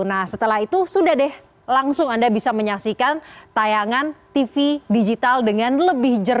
nah setelah itu sudah deh langsung anda bisa menyaksikan tayangan tv digital dengan lebih jelas